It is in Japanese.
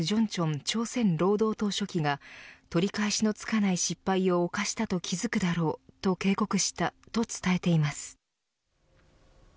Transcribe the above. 朝鮮労働党書記が取り返しのつかない失敗を犯したと気付くだろうと警告したと伝えています。